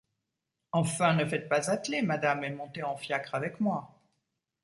Enfin, ne faites pas atteler, madame, et montez en fiacre avec moi…